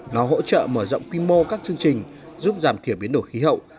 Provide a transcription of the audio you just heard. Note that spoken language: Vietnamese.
cơ sở mở rộng quy mô các chương trình giúp giảm thiểu biến đổi khí hậu